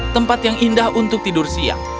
tempat yang indah untuk tidur siang